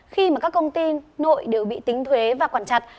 khi mà các công ty nội đều bị tính thuế và quản chặt